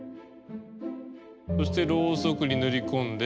そしてロウソクに塗り込んで。